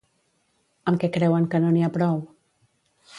Amb què creuen que no n'hi ha prou?